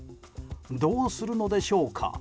どうするのでしょうか。